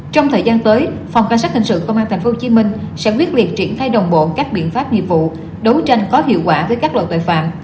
trong thời gian tới phòng cảnh sát hình sự công an tp hcm sẽ quyết liệt triển khai đồng bộ các biện pháp nghiệp vụ đấu tranh có hiệu quả với các loại tội phạm